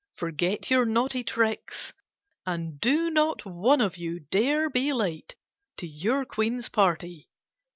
Forget your naughty tricks and do not one of you dare be late to your Queen's party.